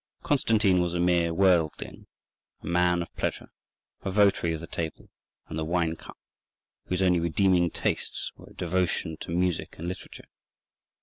Constantine was a mere worldling, a man of pleasure, a votary of the table and the wine cup, whose only redeeming tastes were a devotion to music and literature.